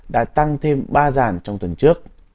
đã tăng thêm ba giàn trong tuần trước